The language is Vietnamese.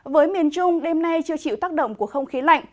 với miền trung đêm nay chưa chịu tác động của không khí lạnh